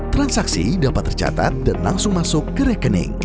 transaksi dapat tercatat dan langsung masuk ke rekening